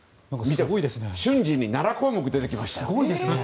瞬時に７項目出てきました。